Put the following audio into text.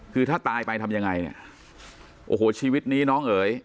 คือถ้าตายไปทำยังไงเนี่ยโอ้โหชีวิตนี้น้องเอ๋ย